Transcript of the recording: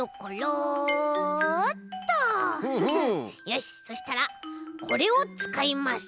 よしそしたらこれをつかいます！